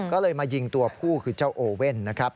ก็เลยมายิงตัวผู้คือเจ้าโอเว่นนะครับ